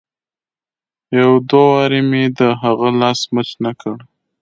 يو دوه وارې مې د هغه لاس مچ نه کړ.